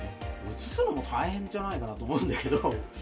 移すのも大変じゃないかなと思うんだけど。